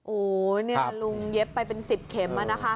โอ้โหลุงเย็บไปเป็น๑๐เข็ม